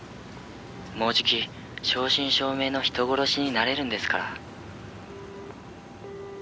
「もうじき正真正銘の人殺しになれるんですから」